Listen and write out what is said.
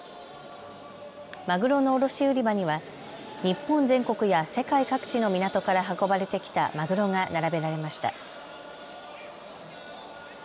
マグロの卸売り場には日本全国や世界各地の港から運ばれてきたマグロが並べられました。